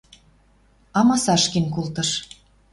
Амасаш кен колтыш.